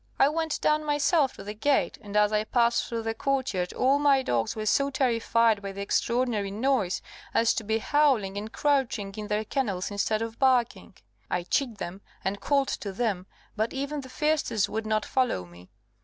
I went down myself to the gate, and as I passed through the court yard all my dogs were so terrified by the extraordinary noise, as to be howling and crouching in their kennels instead of barking. I chid them, and called to them, but even the fiercest would not follow me.